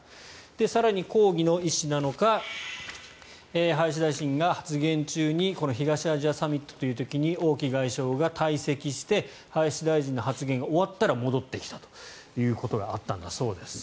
更に、抗議の意思なのか林大臣が発言中にこの東アジアサミットという時に王毅外相が退席して林大臣の発言が終わったら戻ってきたということがあったんだそうです。